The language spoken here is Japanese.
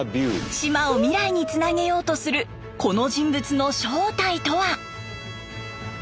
島を未来につなげようとするこの人物の正体とは？